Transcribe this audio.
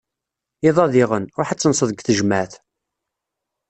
Iḍ-a diɣen, ruḥ ad tenseḍ deg tejmeɛt.